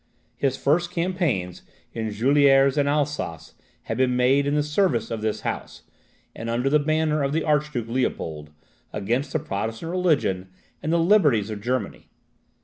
His first campaigns in Juliers and Alsace had been made in the service of this house, and under the banner of the Archduke Leopold, against the Protestant religion and the liberties of Germany.